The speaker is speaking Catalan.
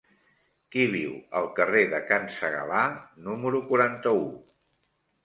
Qui viu al carrer de Can Segalar número quaranta-u?